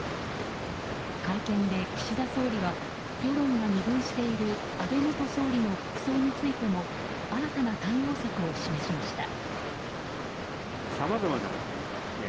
会見で岸田総理は世論が二分している安倍元総理の国葬についても新たな対応策を示しました。